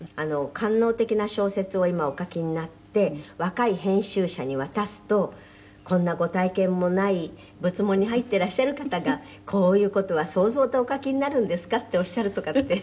「官能的な小説を今お書きになって若い編集者に渡すと“こんなご体験もない仏門に入ってらっしゃる方がこういう事は想像でお書きになるんですか？”っておっしゃるとかって」